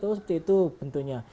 oh seperti itu bentuknya